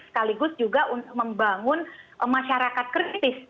sekaligus juga untuk membangun masyarakat kritis